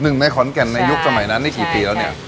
หนึ่งในขอนแก่นในยุคสมัยนั้นนี่กี่ปีแล้วเนี่ย